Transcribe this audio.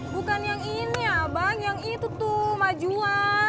bukan yang ini abang yang itu tuh maju